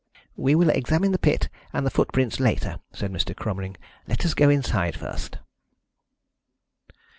"We will examine the pit and the footprints later," said Mr. Cromering. "Let us go inside first."